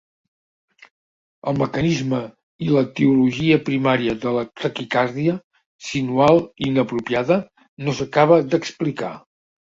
El mecanisme i l'etiologia primària de la taquicàrdia sinusal inapropiada no s'acaba d'explicar.